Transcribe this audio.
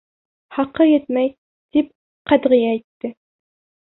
Хаҡы етмәй, тип ҡәтғи әйтте.